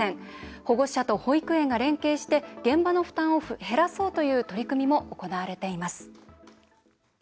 保護者と保育園が連携して現場の負担を減らそうという取り組みも行われています。